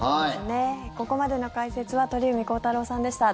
ここまでの解説は鳥海高太朗さんでした。